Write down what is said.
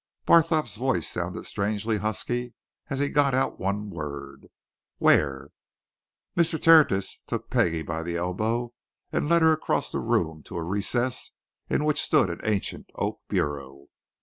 Barthorpe's voice sounded strangely husky as he got out one word: "Where?" Mr. Tertius took Peggie by the elbow and led her across the room to a recess in which stood an ancient oak bureau.